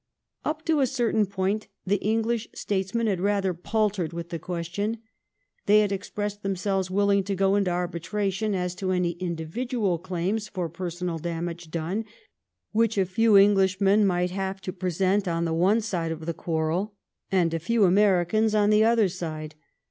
Up to a certain point the English statesmen had rather paltered with the question ; they had expressed themselves willing to go into arbitra tion as to any individual claims for personal dam age done which a few Englishmen might have to present on the one side of the quarrel and a few Americans on the other side.